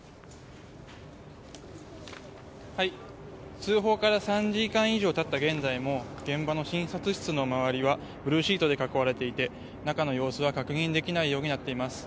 通報から３時間以上経った現在も現場の診察室の周りはブルーシートで囲われていて中の様子は確認できないようになっています。